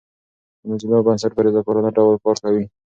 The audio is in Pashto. د موزیلا بنسټ په رضاکارانه ډول کار کوي.